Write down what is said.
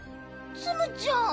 ツムちゃん。